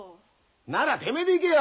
ならてめえで行けよ！